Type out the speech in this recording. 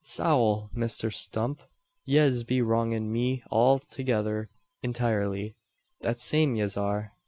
"Sowl, Misther Stump! yez be wrongin' me althegither intirely. That same yez are.